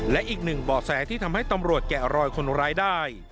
และอีกหนึ่งบ่อแสที่ทำให้ตำรวจแกะรอยคนร้ายได้